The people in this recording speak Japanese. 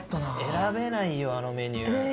選べないよあのメニュー。